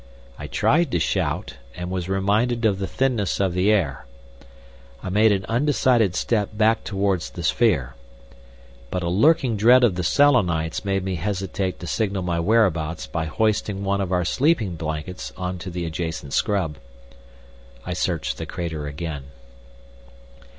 I tried to shout, and was reminded of the thinness of the air. I made an undecided step back towards the sphere. But a lurking dread of the Selenites made me hesitate to signal my whereabouts by hoisting one of our sleeping blankets on to the adjacent scrub. I searched the crater again.